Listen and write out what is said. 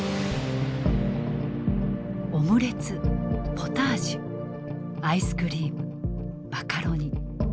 オムレツポタージュアイスクリームマカロニそしてビフテキ。